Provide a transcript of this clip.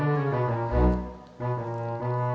enggak ada apa apa